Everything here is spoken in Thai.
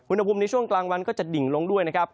อุณหภูมิในช่วงกลางวันก็จะดิ่งลงด้วยนะครับ